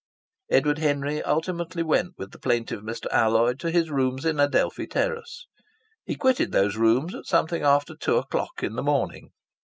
Edward Henry ultimately went with the plaintive Mr. Alloyd to his rooms in Adelphi Terrace. He quitted those rooms at something after two o'clock in the morning.